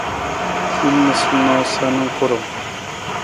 Hin noosanoosa na karam.